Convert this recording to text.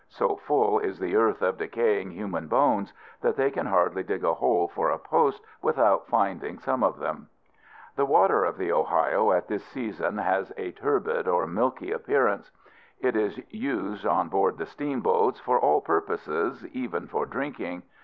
So full is the earth of decaying human bones, that they can hardly dig a hole for a post without finding some of them. The water of the Ohio at this season has a turbid or milky appearance. It is used, on board the steamboats, for all purposes, even for drinking.